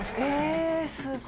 えすごい。